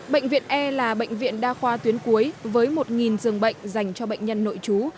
bệnh viện e là bệnh viện đa khoa tuyến cuối với một giường bệnh dành cho bệnh nhân nội trú